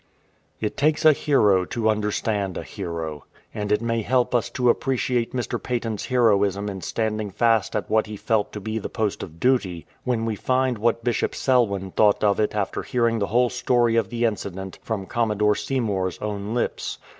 It takes a hero to understand a hero. And it may help us to appreciate Mr. Paton's heroism in standing fast at what he felt to be the post of duty, when we find what Bishop Selwyn thought of it after hearing the whole story of the incident from Commodore Seymour''s own lips.